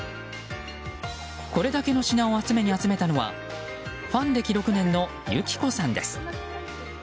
これだけの品を集めに集めたのはファン歴６年のゆきこさんです。